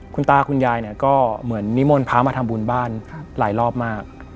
คุณตาคุณยายเนี่ยก็เหมือนนิมนต์พระมาทำบุญบ้านหลายรอบมาก